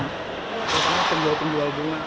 karena penjual penjual bunga